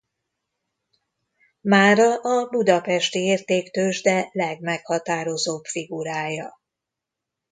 Mára a Budapesti Értéktőzsde legmeghatározóbb figurája.